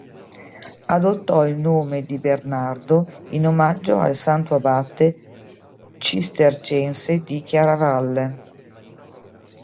Adottò il nome di Bernardo in omaggio al santo abate cistercense di Chiaravalle.